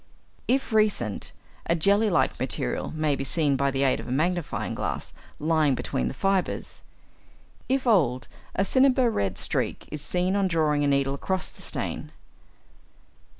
If recent, a jelly like material may be seen by the aid of a magnifying glass lying between the fibres. If old, a cinnabar red streak is seen on drawing a needle across the stain.